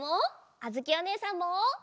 あづきおねえさんも！